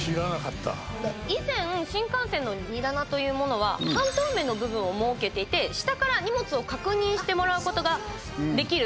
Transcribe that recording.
以前新幹線の荷棚というものは半透明の部分を設けていて下から荷物を確認してもらうことができる。